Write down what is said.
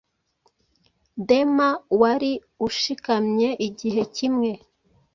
Dema wari ushikamye igihe kimwe